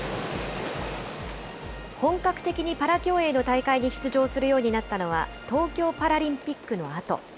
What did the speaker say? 本格的にパラ競泳の大会に出場するようになったのは、東京パラリンピックのあと。